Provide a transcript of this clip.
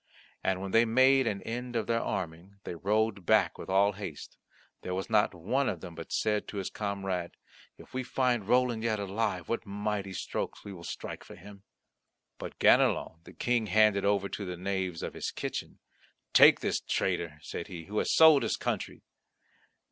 And when they made an end of their arming they rode back with all haste. There was not one of them but said to his comrade, "If we find Roland yet alive, what mighty strokes will we strike for him!" But Ganelon the King handed over to the knaves of his kitchen. "Take this traitor," said he, "who has sold his country."